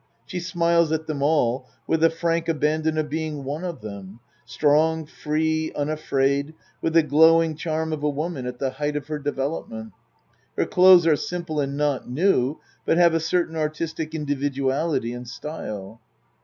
(She smiles at them all with the frank abandon of being one of them strong free, unafraid, with the glow ing charm of a woman at the height of her develop ment. Her clothes are simple and not new but have a certain artistic individuality and style.)